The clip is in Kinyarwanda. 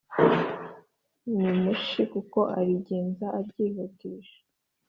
Nimushi kuko arigenza aryihutisha